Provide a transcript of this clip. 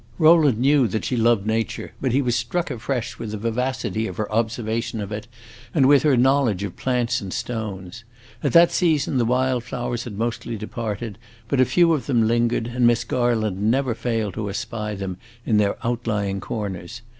Rowland knew that she loved nature, but he was struck afresh with the vivacity of her observation of it, and with her knowledge of plants and stones. At that season the wild flowers had mostly departed, but a few of them lingered, and Miss Garland never failed to espy them in their outlying corners.